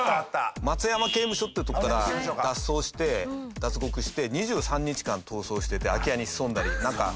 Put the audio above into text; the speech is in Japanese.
松山刑務所っていうとこから脱走して脱獄して２３日間逃走してて空き家に潜んだりなんか。